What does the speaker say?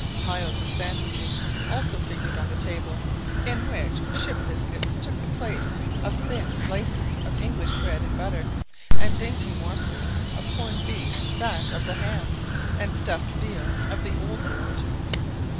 Piles of sandwiches also figured on the table, in which ship biscuits took the place of thin slices of English bread and butter, and dainty morsels of corned beef that of the ham and stuffed veal of the old world.